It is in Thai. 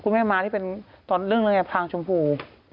คุณแม่มาที่เป็นตอนเรื่องเรื่องภังชมพู